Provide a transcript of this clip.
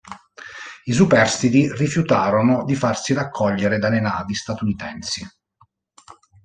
I superstiti rifiutarono di farsi raccogliere dalle navi statunitensi.